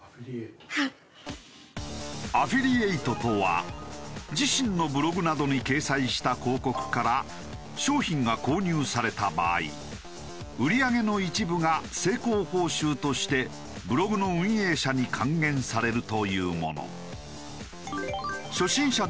アフィリエイトとは自身のブログなどに掲載した広告から商品が購入された場合売り上げの一部が成功報酬としてブログの運営者に還元されるというもの。